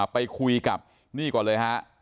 ไปคุยกับนี่ก่อนเลยฮะ